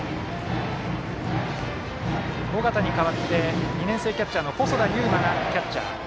尾形に代わって２年生キャッチャーの細田悠真がキャッチャー。